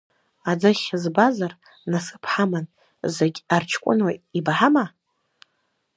Аӡыхь збазар, насыԥ ҳаман, зегь арҷкәыноит, ибаҳама?